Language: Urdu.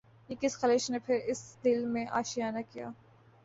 یہ کس خلش نے پھر اس دل میں آشیانہ کیا